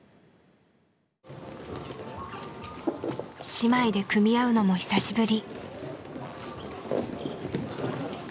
姉妹で組み合うのも久しぶり。